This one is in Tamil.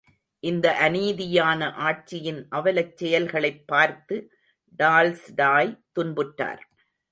இந்த அநீதியான ஆட்சியின் அவலச் செயல்களைப் பார்த்து டால்ஸ்டாய் துன்புற்றார்.